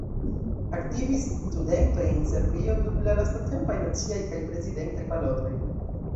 Aktivis studentoj en Serbio dum la lastatempaj naciaj kaj prezidentaj balotoj.